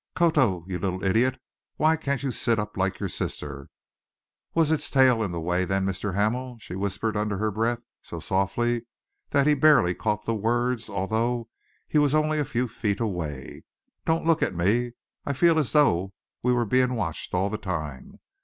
"Koto, you little idiot, why can't you sit up like your sister? Was its tail in the way, then! Mr. Hamel," she whispered under her breath, so softly that he barely caught the words, although he was only a few feet away, "don't look at me. I feel as though we were being watched all the time.